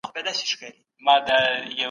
مهاجرت د ښه ژوند لټولو لپاره کیږي.